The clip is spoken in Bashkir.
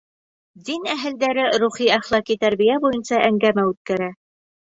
Дин әһелдәре рухи-әхлаҡи тәрбиә буйынса әңгәмә үткәрә.